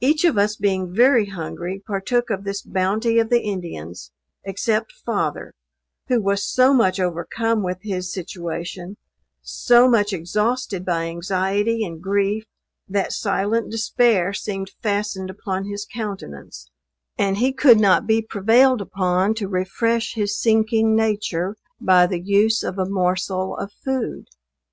Each of us being very hungry, partook of this bounty of the Indians, except father, who was so much overcome with his situation so much exhausted by anxiety and grief, that silent despair seemed fastened upon his countenance, and he could not be prevailed upon to refresh his sinking nature by the use of a morsel of food.